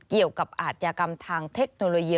เกี่ยวกับอาชญากรรมทางเทคโนโลยี